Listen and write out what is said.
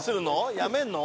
やめんの？